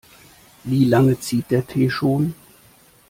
Wie lange zieht der Tee schon?